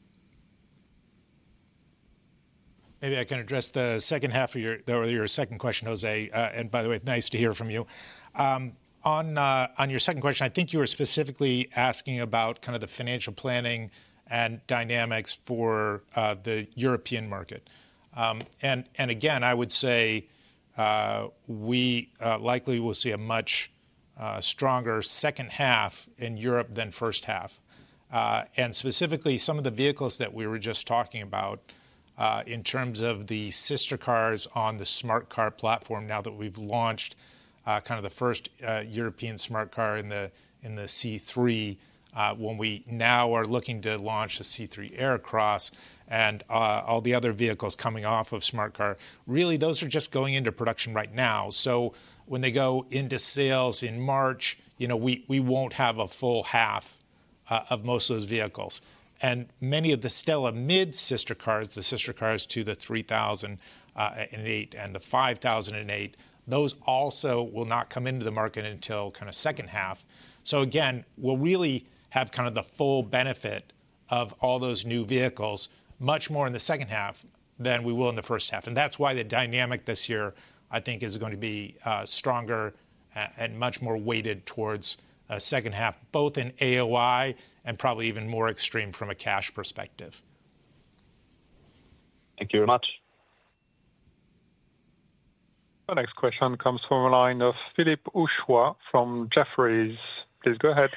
Maybe I can address the second half of your second question, José, and, by the way, nice to hear from you. On your second question, I think you were specifically asking about kind of the financial planning and dynamics for the European market, and again, I would say we likely will see a much stronger second half in Europe than first half. And specifically, some of the vehicles that we were just talking about in terms of the sister cars on the Smart Car platform now that we've launched kind of the first European smart car in the C3, when we now are looking to launch the C3 Aircross and all the other vehicles coming off of Smart Car, really those are just going into production right now. So when they go into sales in March, you know we won't have a full half of most of those vehicles. And many of the STLA Med sister cars, the sister cars to the 3008 and the 5008, those also will not come into the market until kind of second half. So again, we'll really have kind of the full benefit of all those new vehicles much more in the second half than we will in the first half. That's why the dynamic this year, I think, is going to be stronger and much more weighted towards second half, both in AOI and probably even more extreme from a cash perspective. Thank you very much. The next question comes from a line of Philippe Houchois from Jefferies. Please go ahead.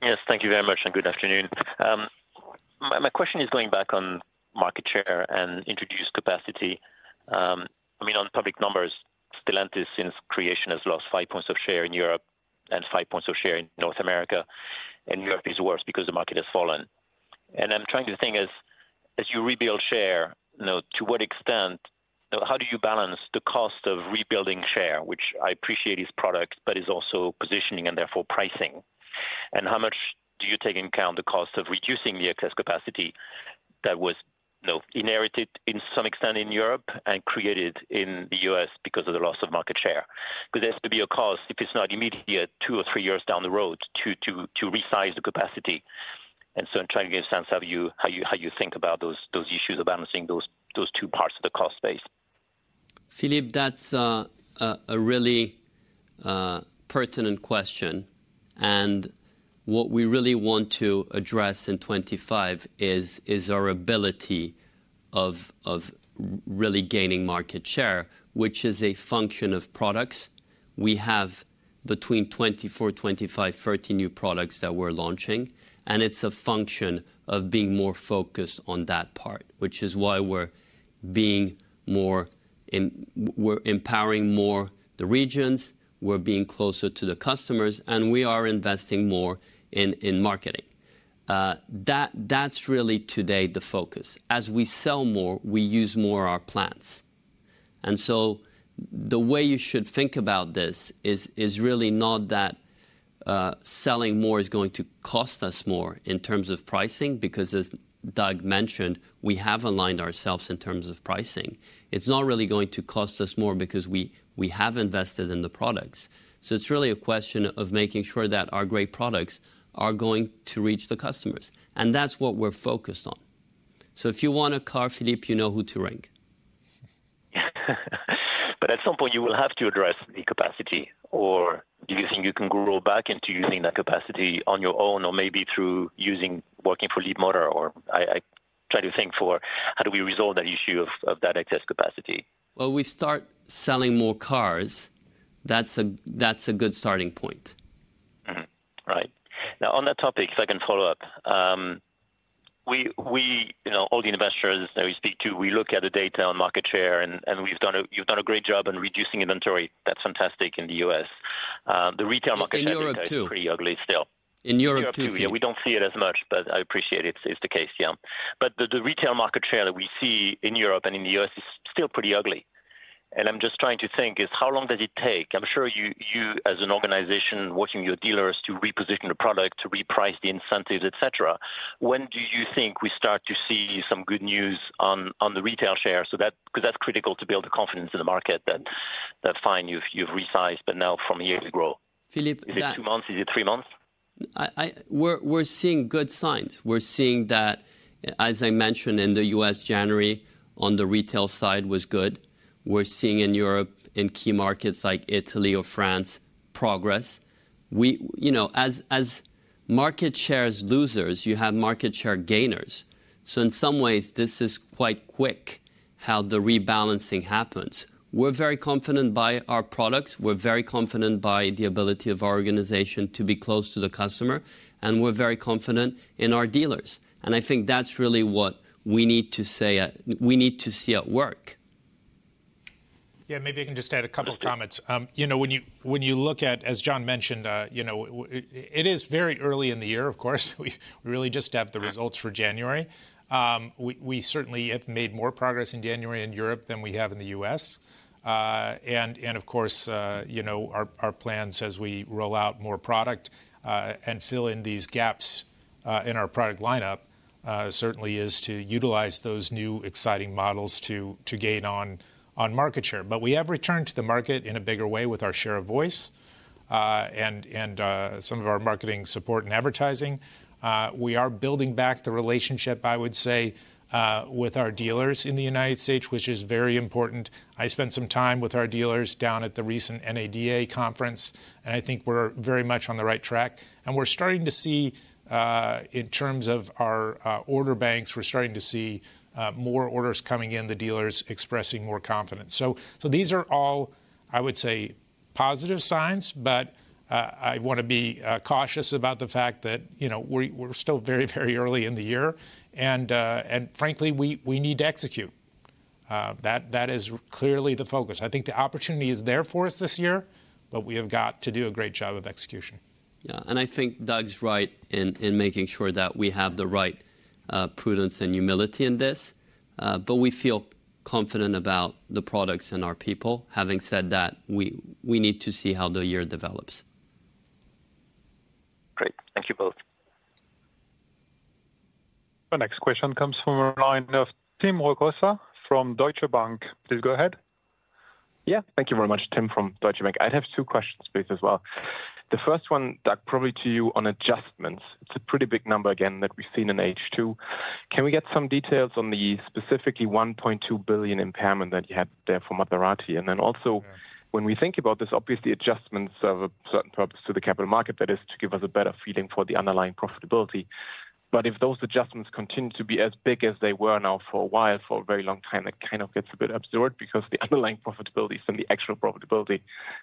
Yes, thank you very much and good afternoon. My question is going back on market share and installed capacity. I mean, on public numbers, Stellantis since creation has lost five points of share in Europe and five points of share in North America. Europe is worse because the market has fallen. I'm trying to think as you rebuild share, to what extent, how do you balance the cost of rebuilding share, which I appreciate is product, but is also positioning and therefore pricing? How much do you take into account the cost of reducing the excess capacity that was inherited to some extent in Europe and created in the U.S. because of the loss of market share? Because there has to be a cost, if it's not immediate, two or three years down the road to resize the capacity. I'm trying to get a sense of how you think about those issues of balancing those two parts of the cost space. Philippe, that's a really pertinent question. What we really want to address in 2025 is our ability of really gaining market share, which is a function of products. We have between 24, 25, 30 new products that we're launching. It's a function of being more focused on that part, which is why we're being more, we're empowering more the regions, we're being closer to the customers, and we are investing more in marketing. That's really today the focus. As we sell more, we use more of our plants. And so the way you should think about this is really not that selling more is going to cost us more in terms of pricing, because as Doug mentioned, we have aligned ourselves in terms of pricing. It's not really going to cost us more because we have invested in the products. So it's really a question of making sure that our great products are going to reach the customers. And that's what we're focused on. So if you want a car, Philippe, you know who to ring. But at some point, you will have to address the capacity. Or do you think you can grow back into using that capacity on your own or maybe through working for Leapmotor? Or I try to think for how do we resolve that issue of that excess capacity? Well, we start selling more cars. That's a good starting point. Right. Now, on that topic, if I can follow up, all the investors that we speak to, we look at the data on market share and we've done a great job in reducing inventory. That's fantastic in the U.S. The retail market share in Europe too is pretty ugly still. In Europe too, yeah. We don't see it as much, but I appreciate it's the case, yeah. But the retail market share that we see in Europe and in the U.S. is still pretty ugly. And I'm just trying to think, how long does it take? I'm sure you, as an organization, watching your dealers to reposition the product, to reprice the incentives, et cetera, when do you think we start to see some good news on the retail share? Because that's critical to build the confidence in the market that, fine, you've resized, but now from here you grow. Philippe, is it two months? Is it three months? We're seeing good signs. We're seeing that, as I mentioned in the U.S., January on the retail side was good. We're seeing in Europe, in key markets like Italy or France, progress. As market share losers, you have market share gainers. So in some ways, this is quite quick how the rebalancing happens. We're very confident by our products. We're very confident by the ability of our organization to be close to the customer. And we're very confident in our dealers. I think that's really what we need to see at work. Yeah, maybe I can just add a couple of comments. You know, when you look at, as John mentioned, it is very early in the year, of course. We really just have the results for January. We certainly have made more progress in January in Europe than we have in the U.S. And of course, our plans as we roll out more product and fill in these gaps in our product lineup certainly is to utilize those new exciting models to gain on market share. But we have returned to the market in a bigger way with our share of voice and some of our marketing support and advertising. We are building back the relationship, I would say, with our dealers in the United States, which is very important. I spent some time with our dealers down at the recent NADA conference, and I think we're very much on the right track, and we're starting to see, in terms of our order banks, we're starting to see more orders coming in, the dealers expressing more confidence. So these are all, I would say, positive signs, but I want to be cautious about the fact that we're still very, very early in the year. Frankly, we need to execute. That is clearly the focus. I think the opportunity is there for us this year, but we have got to do a great job of execution. Yeah, and I think Doug's right in making sure that we have the right prudence and humility in this, but we feel confident about the products and our people. Having said that, we need to see how the year develops. Great. Thank you both. The next question comes from a line of Tim Rokossa from Deutsche Bank. Please go ahead. Yeah, thank you very much, Tim, from Deutsche Bank. I'd have two questions, please, as well. The first one, Doug, probably to you on adjustments. It's a pretty big number again that we've seen in H2. Can we get some details on the specifically 1.2 billion impairment that you had there for Maserati? And then also, when we think about this, obviously adjustments serve a certain purpose to the capital market, that is to give us a better feeling for the underlying profitability. But if those adjustments continue to be as big as they were now for a while, for a very long time, it kind of gets a bit absurd because the underlying profitability is from the actual profitability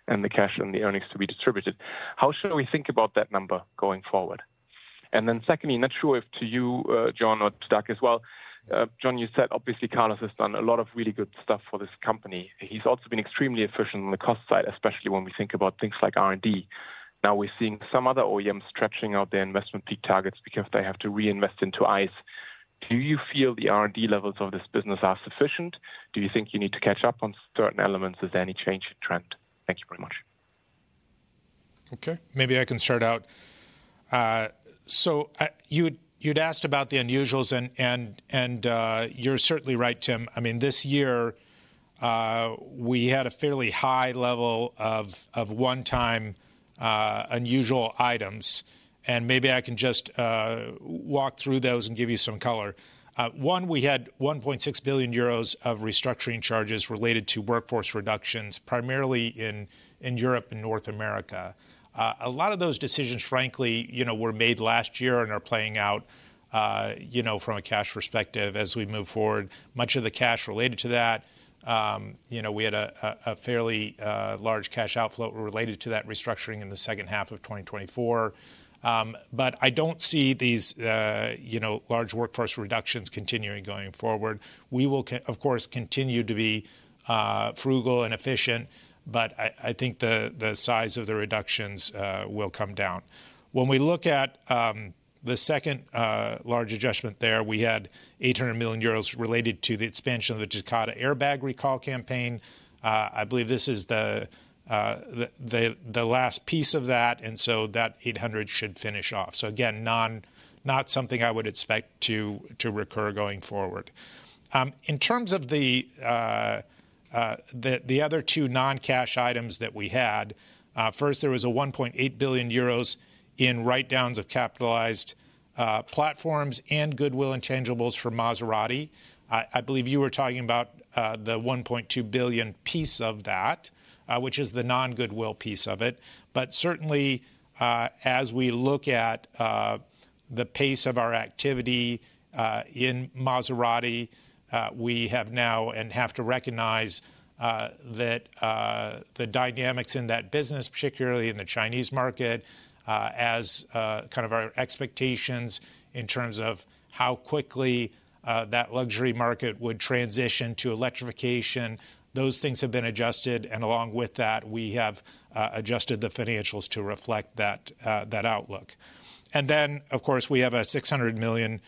and the cash and the earnings to be distributed. How should we think about that number going forward? And then secondly, not sure if to you, John, or to Doug as well. John, you said obviously Carlos has done a lot of really good stuff for this company. He's also been extremely efficient on the cost side, especially when we think about things like R&D. Now we're seeing some other OEMs stretching out their investment peak targets because they have to reinvest into ICE. Do you feel the R&D levels of this business are sufficient? Do you think you need to catch up on certain elements? Is there any change in trend? Thank you very much. Okay, maybe I can start out. So you'd asked about the unusuals, and you're certainly right, Tim. I mean, this year we had a fairly high level of one-time unusual items. Maybe I can just walk through those and give you some color. One, we had 1.6 billion euros of restructuring charges related to workforce reductions, primarily in Europe and North America. A lot of those decisions, frankly, were made last year and are playing out from a cash perspective as we move forward. Much of the cash related to that, we had a fairly large cash outflow related to that restructuring in the second half of 2024. But I don't see these large workforce reductions continuing going forward. We will, of course, continue to be frugal and efficient, but I think the size of the reductions will come down. When we look at the second large adjustment there, we had 800 million euros related to the expansion of the Takata airbag recall campaign. I believe this is the last piece of that, and so that 800 should finish off. So again, not something I would expect to recur going forward. In terms of the other two non-cash items that we had, first, there was 1.8 billion euros in write-downs of capitalized platforms and goodwill intangibles for Maserati. I believe you were talking about the 1.2 billion piece of that, which is the non-goodwill piece of it. But certainly, as we look at the pace of our activity in Maserati, we have now and have to recognize that the dynamics in that business, particularly in the Chinese market, as kind of our expectations in terms of how quickly that luxury market would transition to electrification, those things have been adjusted. And along with that, we have adjusted the financials to reflect that outlook. And then, of course, we have a 600 million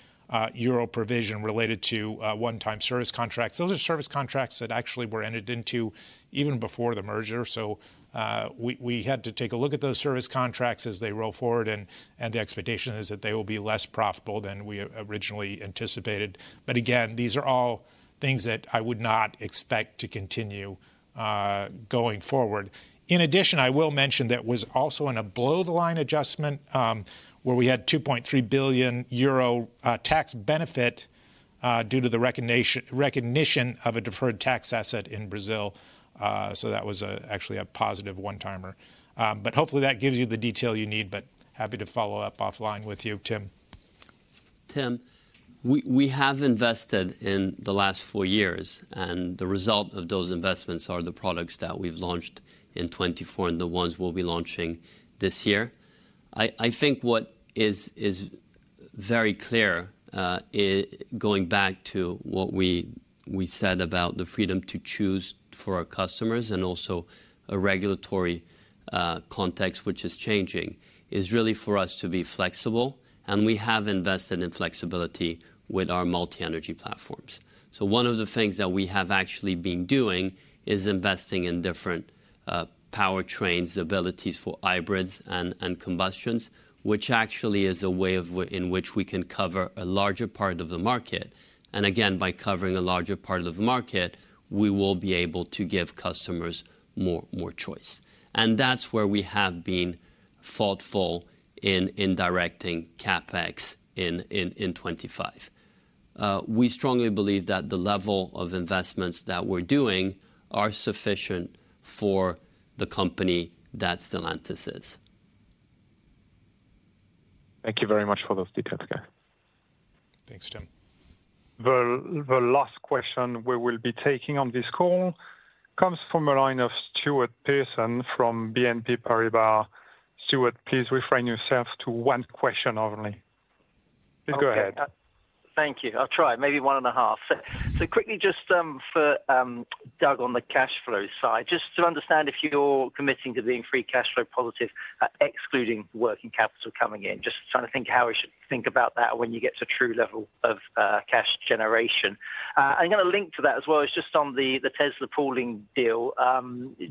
euro provision related to one-time service contracts. Those are service contracts that actually were entered into even before the merger, so we had to take a look at those service contracts as they roll forward, and the expectation is that they will be less profitable than we originally anticipated, but again, these are all things that I would not expect to continue going forward. In addition, I will mention that was also in a below-the-line adjustment where we had 2.3 billion euro tax benefit due to the recognition of a deferred tax asset in Brazil, so that was actually a positive one-timer, but hopefully that gives you the detail you need, but happy to follow up offline with you, Tim. Tim, we have invested in the last four years, and the result of those investments are the products that we've launched in 2024 and the ones we'll be launching this year. I think what is very clear, going back to what we said about the freedom to choose for our customers and also a regulatory context, which is changing, is really for us to be flexible. We have invested in flexibility with our multi-energy platforms. One of the things that we have actually been doing is investing in different powertrains, abilities for hybrids and combustions, which actually is a way in which we can cover a larger part of the market. Again, by covering a larger part of the market, we will be able to give customers more choice. That's where we have been faithful in directing CapEx in 2025. We strongly believe that the level of investments that we're doing are sufficient for the company that Stellantis is. Thank you very much for those details, guys. Thanks, Tim. The last question we will be taking on this call comes from a line of Stuart Pearson from BNP Paribas. Stuart, please refrain yourself to one question only. Please go ahead. Thank you. I'll try. Maybe one and a half. So quickly, just for Doug on the cash flow side, just to understand if you're committing to being free cash flow positive, excluding working capital coming in, just trying to think how we should think about that when you get to true level of cash generation. I'm going to link to that as well. It's just on the Tesla pooling deal,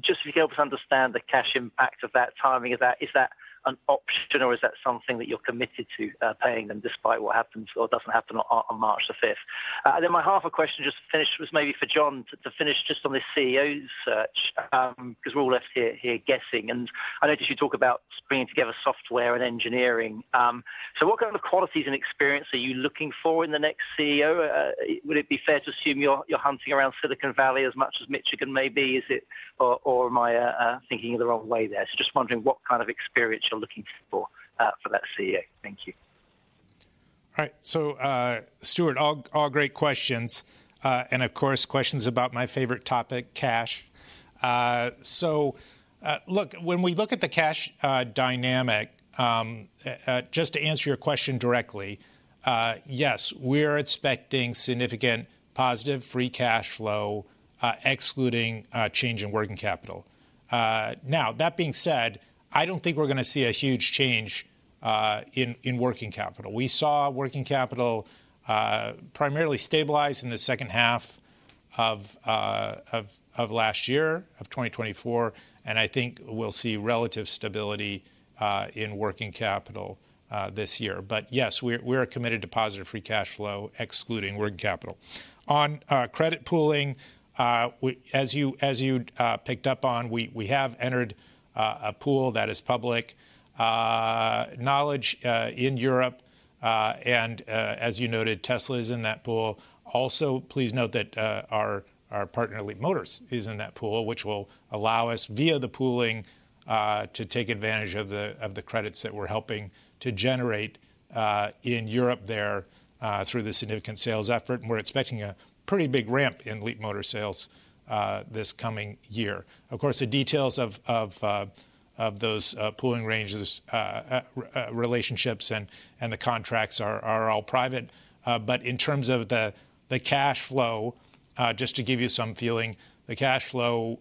just to help us understand the cash impact of that timing. Is that an option or is that something that you're committed to paying them despite what happens or doesn't happen on March the 5th? And then my half a question just finished was maybe for John to finish just on the CEO search, because we're all left here guessing. And I noticed you talk about bringing together software and engineering. So what kind of qualities and experience are you looking for in the next CEO? Would it be fair to assume you're hunting around Silicon Valley as much as Michigan maybe? Or am I thinking the wrong way there? So just wondering what kind of experience you're looking for for that CEO. Thank you. All right. So, Stuart, all great questions. And of course, questions about my favorite topic, cash. So look, when we look at the cash dynamic, just to answer your question directly, yes, we're expecting significant positive free cash flow, excluding change in working capital. Now, that being said, I don't think we're going to see a huge change in working capital. We saw working capital primarily stabilize in the second half of last year, of 2024, and I think we'll see relative stability in working capital this year, but yes, we're committed to positive free cash flow, excluding working capital. On credit pooling, as you picked up on, we have entered a pool that is public knowledge in Europe, and as you noted, Tesla is in that pool. Also, please note that our partner, Leapmotor, is in that pool, which will allow us via the pooling to take advantage of the credits that we're helping to generate in Europe there through the significant sales effort, and we're expecting a pretty big ramp in Leapmotor sales this coming year. Of course, the details of those pooling ranges, relationships, and the contracts are all private, but in terms of the cash flow, just to give you some feeling, the cash flow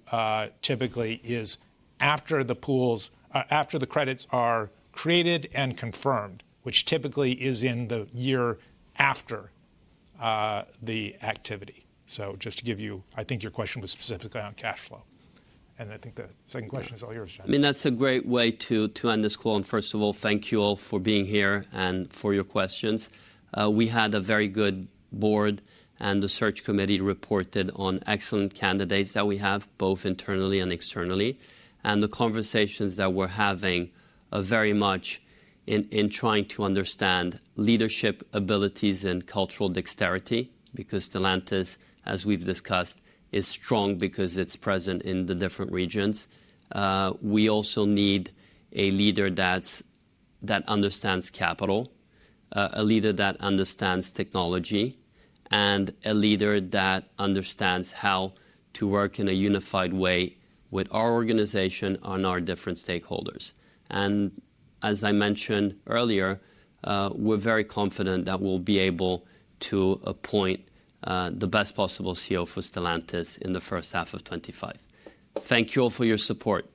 typically is after the pools, after the credits are created and confirmed, which typically is in the year after the activity, so just to give you, I think your question was specifically on cash flow, and I think the second question is all yours, John. I mean, that's a great way to end this call, and first of all, thank you all for being here and for your questions. We had a very good board, and the search committee reported on excellent candidates that we have, both internally and externally. The conversations that we're having are very much in trying to understand leadership abilities and cultural dexterity, because Stellantis, as we've discussed, is strong because it's present in the different regions. We also need a leader that understands capital, a leader that understands technology, and a leader that understands how to work in a unified way with our organization on our different stakeholders. As I mentioned earlier, we're very confident that we'll be able to appoint the best possible CEO for Stellantis in the first half of 2025. Thank you all for your support.